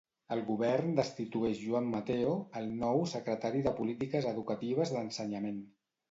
El Govern destitueix Joan Mateo, el nou secretari de Polítiques Educatives d'Ensenyament.